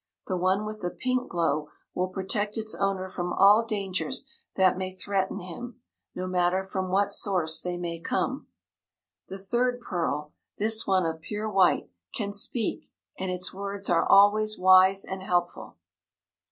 The one with the pink glow will protect its owner from all dangers that may threaten him, no matter from what source they may come. The third pearl this one of pure white can speak, and its words are always wise and helpful."